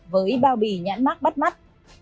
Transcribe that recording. với bao bì nhãn mắt bắt mắt